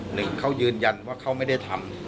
ที่ได้ยืนยันว่าเขาไม่ได้ทำ